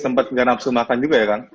sempat dengan nafsu makan juga ya kan